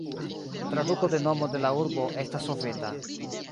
Traduko de nomo de la urbo estas "soveta".